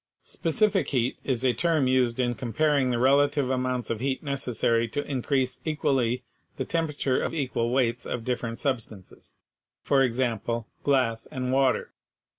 Specific heat is a term used in comparing 54 PHYSICS the relative amounts of heat necessary to increase equally the temperature of equal weights of different substances, for example, glass and water.